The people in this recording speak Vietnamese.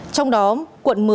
trong đó quận một mươi